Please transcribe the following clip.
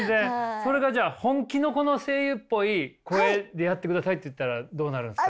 それがじゃあ本気のこの声優っぽい声でやってくださいって言ったらどうなるんですか？